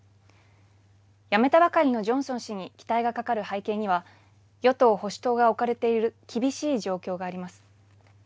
辞めたばかりのジョンソン氏に期待がかかる背景には与党・保守党が置かれている厳しい状況があります。